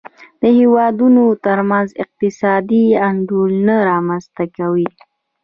د هېوادونو ترمنځ اقتصادي انډول نه رامنځته کوي.